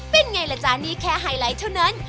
เป็นไงล่ะจ๊ะนี่แค่ไฮไลท์เท่านั้น